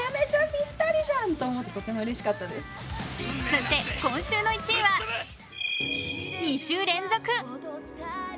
そして今週の１位は２週連続。